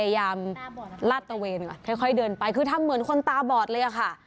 ลาดตะเวนก่อนค่อยเดินไปคือทำเหมือนคนตาบอดเลยอะค่ะ